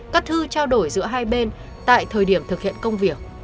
các thư trao đổi giữa hai bên tại thời điểm thực hiện công việc